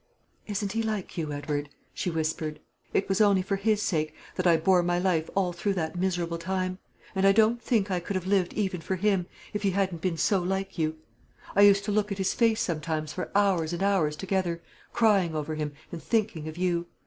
"Isn't he like you, Edward?" she whispered. "It was only for his sake that I bore my life all through that miserable time; and I don't think I could have lived even for him, if he hadn't been so like you. I used to look at his face sometimes for hours and hours together, crying over him, and thinking of you.